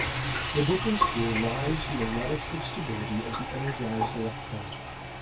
The difference here lies in the relative stability of the energized electron.